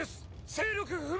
勢力不明！」